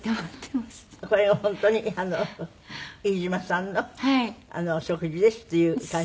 これが本当に飯島さんの食事ですっていう感じ？